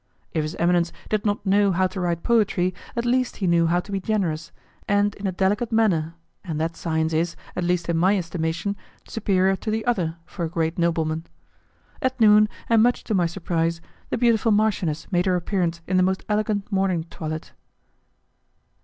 If his eminence did not know how to write poetry, at least he knew how to be generous, and in a delicate manner, and that science is, at least in my estimation, superior to the other for a great nobleman. At noon, and much to my surprise, the beautiful marchioness made her appearance in the most elegant morning toilet.